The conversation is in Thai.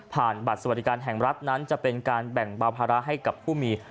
บัตรสวัสดิการแห่งรัฐนั้นจะเป็นการแบ่งเบาภาระให้กับผู้มี